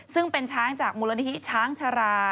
ซึ่งเป็นช้างจากมูลนิธิช้างชารา